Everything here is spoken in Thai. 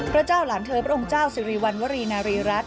เจ้าหลานเธอพระองค์เจ้าสิริวัณวรีนารีรัฐ